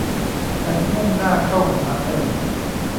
ฉันมุ่งหน้าเข้าหาเธอ